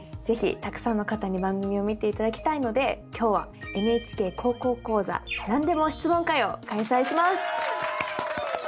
是非たくさんの方に番組を見ていただきたいので今日は「ＮＨＫ高校講座」なんでも質問会を開催します。